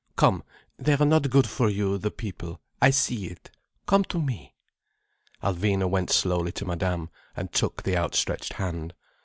Come, they are not good for you, the people, I see it. Come to me." Alvina went slowly to Madame, and took the outstretched hand.